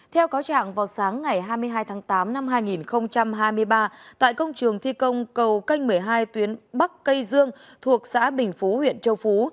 theo cáo trạng vào sáng ngày hai mươi hai tháng tám năm hai nghìn hai mươi ba tại công trường thi công cầu canh một mươi hai tuyến bắc cây dương thuộc xã bình phú huyện châu phú